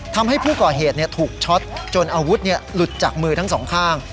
ทำให้ผู้ก่อเหตุถูกช็อตจนอาวุธหลุดจากมือทั้งสองข้าง